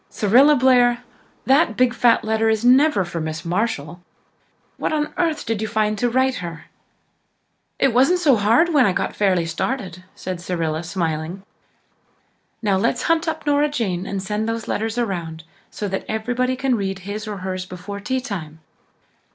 Cyrilla Blair, that big fat letter is never for Miss Marshall! What on earth did you find to write her?" "It wasn't so hard when I got fairly started," said Cyrilla, smiling. "Now, let's hunt up Nora Jane and send the letters around so that everybody can read his or hers before tea time.